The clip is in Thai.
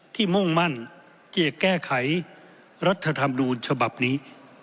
มุ่งมั่นที่จะแก้ไขรัฐธรรมนูญฉบับนี้